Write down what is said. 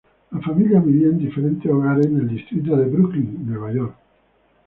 La familia vivía en diferentes hogares en el distrito de Brooklyn, Nueva York.